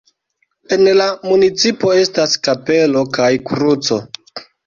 En la municipo estas kapelo kaj kruco.